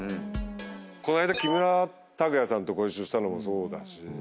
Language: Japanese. この間木村拓哉さんとご一緒したのもそうだし。